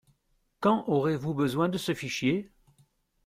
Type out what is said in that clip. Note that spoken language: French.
Quand aurez-vous besoin de ce fichier?